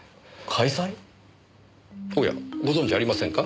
おやご存じありませんか？